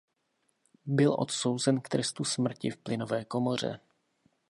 Byl odsouzen k trestu smrti v plynové komoře.